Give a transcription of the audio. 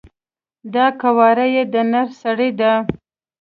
دا قواره یی د نه سړی ده،